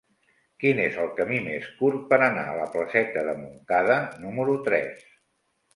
Quin és el camí més curt per anar a la placeta de Montcada número tres?